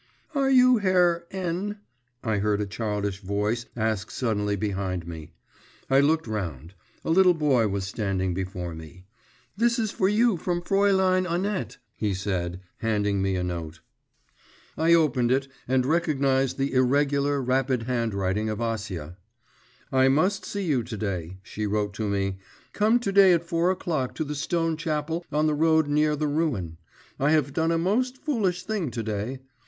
'Are you Herr N ?' I heard a childish voice ask suddenly behind me. I looked round; a little boy was standing before me. 'This is for you from Fraülein Annette,' he said, handing me a note. I opened it and recognised the irregular rapid handwriting of Acia. 'I must see you to day,' she wrote to me; 'come to day at four o'clock to the stone chapel on the road near the ruin. I have done a most foolish thing to day.